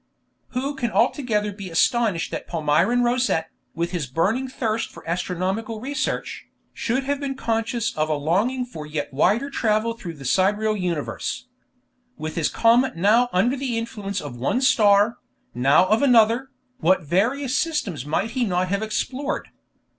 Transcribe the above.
Who can altogether be astonished that Palmyrin Rosette, with his burning thirst for astronomical research, should have been conscious of a longing for yet wider travel through the sidereal universe? With his comet now under the influence of one star, now of another, what various systems might he not have explored!